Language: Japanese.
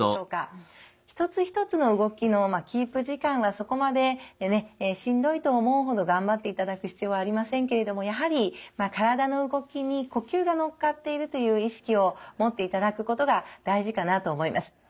一つ一つの動きのキープ時間はそこまでねしんどいと思うほど頑張っていただく必要はありませんけれどもやはり体の動きに呼吸が乗っかっているという意識を持っていただくことが大事かなと思います。